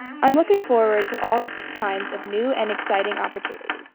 I'm looking forward to all kinds of new and exciting opportunities.